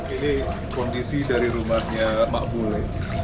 ini kondisi dari rumahnya mak bule